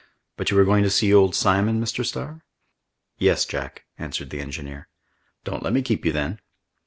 —But you are going to see old Simon, Mr. Starr?" "Yes, Jack," answered the engineer. "Don't let me keep you then."